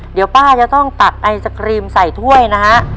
เดี๋ยวป้าจะต้องตักไอศครีมใส่ถ้วยนะฮะ